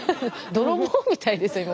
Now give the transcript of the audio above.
泥棒みたいですよ今。